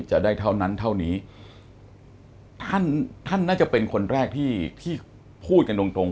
จะได้เท่านั้นเท่านี้ท่านท่านน่าจะเป็นคนแรกที่ที่พูดกันตรงตรง